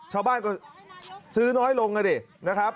ชาวบ้านก็ซื้อน้อยลงอ่ะดินะครับ